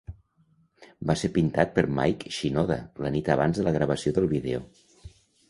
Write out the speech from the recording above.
Va ser pintat per Mike Shinoda la nit abans de la gravació del vídeo.